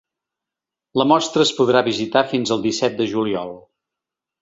La mostra es podrà visitar fins el disset de juliol.